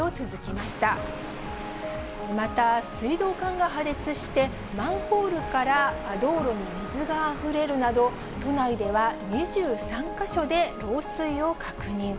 また、水道管が破裂して、マンホールから道路に水があふれるなど、都内では２３か所で漏水を確認。